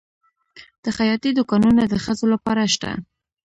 د خیاطۍ دوکانونه د ښځو لپاره شته؟